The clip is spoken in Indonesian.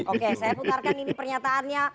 oke saya putarkan ini pernyataannya